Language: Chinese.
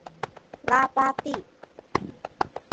拉巴蒂。